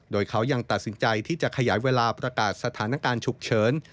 โดยเขายังตัดสินใจที่จะขยายเวลาประกาศสถานการณ์ฉุกเฉิน